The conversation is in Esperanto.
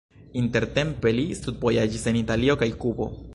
Intertempe li studvojaĝis en Italio kaj Kubo.